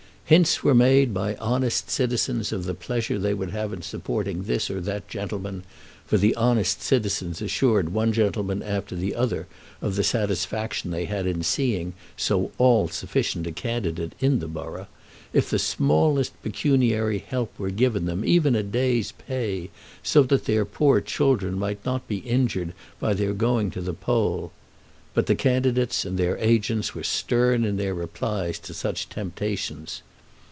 Hints were made by honest citizens of the pleasure they would have in supporting this or that gentleman, for the honest citizens assured one gentleman after the other of the satisfaction they had in seeing so all sufficient a candidate in the borough, if the smallest pecuniary help were given them, even a day's pay, so that their poor children might not be injured by their going to the poll. But the candidates and their agents were stern in their replies to such temptations.